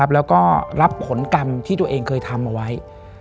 แล้วก็รับผลกรรมที่ตัวเองเคยทำเอาไว้